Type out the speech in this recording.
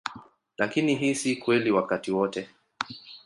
Lakini hii si kweli wakati wote.